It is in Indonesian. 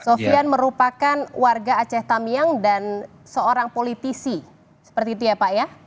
sofian merupakan warga aceh tamiang dan seorang politisi seperti itu ya pak ya